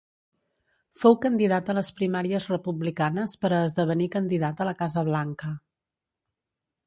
Fou candidat a les primàries republicanes per a esdevenir candidat a la Casa Blanca.